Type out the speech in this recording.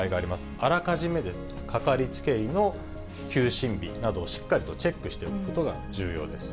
あらかじめかかりつけ医の休診日などをしっかりとチェックしておくことが重要です。